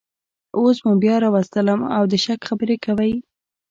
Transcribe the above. اوس مو بیا راوستلم او د شک خبرې کوئ